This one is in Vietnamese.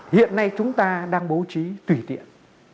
hiện nay chúng ta đang bố trí tùy tiện